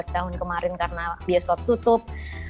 dua tahun kemarin karena bioskop tutup